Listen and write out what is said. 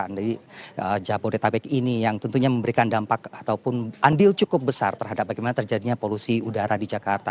jadi jabodetabek ini yang tentunya memberikan dampak ataupun andil cukup besar terhadap bagaimana terjadinya polusi udara di jakarta